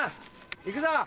行くぞ！